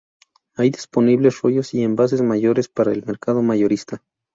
Hay disponibles rollos y envases mayores para el mercado mayorista.